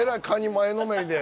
前のめりで。